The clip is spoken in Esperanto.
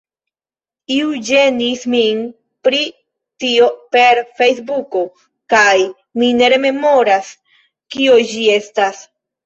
Iu ĝenis min pri tio per Fejsbuko kaj mi ne rememoras, kio ĝi estas